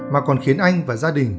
mà còn khiến anh và gia đình